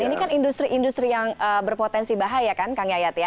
ini kan industri industri yang berpotensi bahaya kan kang yayat ya